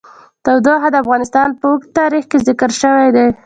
تودوخه د افغانستان په اوږده تاریخ کې ذکر شوی دی.